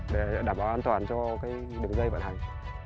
và an toàn cho cái đường dây vận hành